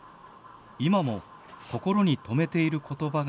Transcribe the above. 今も心に留めている言葉があります。